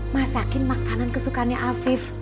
masakin makanan kesukaannya afif